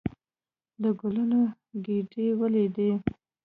د ګلونو ګېدۍ ولېدلې.